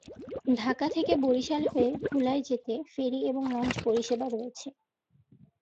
ঢাকা থেকে বরিশাল হয়ে ভোলায় যেতে ফেরী এবং লঞ্চ পরিষেবা রয়েছে।